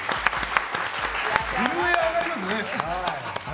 震え上がりますね。